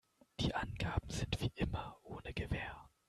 Die Angaben sind wie immer ohne Gewähr.